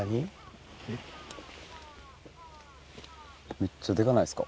めっちゃデカないですか。